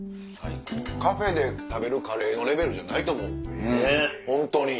カフェで食べるカレーのレベルじゃないと思うホントに。